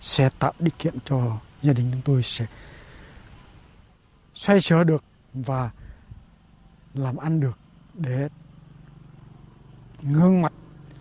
sẽ tạo điều kiện cho gia đình tôi sẽ xoay xở được và làm ăn được để ngưng mặt